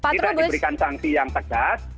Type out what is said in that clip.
tidak diberikan sanksi yang tegas